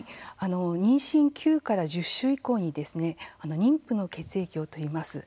妊娠９１０週以降に妊婦の血液を採ります。